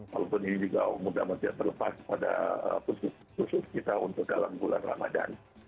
walaupun ini juga mudah mudahan tidak terlepas pada khusus kita untuk dalam bulan ramadan